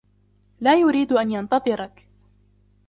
لا يريد أن ينتظرك.